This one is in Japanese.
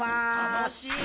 楽しい。